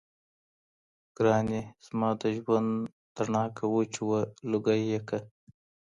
ګراني! زما د ژوند تڼاكه وچووه لوګـى يـې كړه